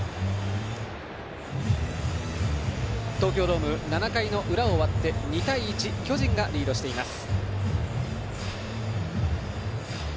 東京ドーム、７回の裏を終わって２対１巨人がリードしています。